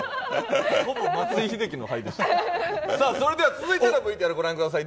続いてのＶＴＲご覧ください。